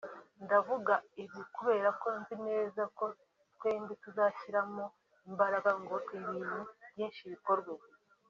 ndavuga ibi kubera ko nzi neza ko twembi tuzashyiramo imbaraga ngo ibintu byinshi bikorwe